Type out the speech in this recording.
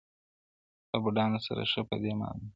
o له بدانو سره ښه په دې معنا ده,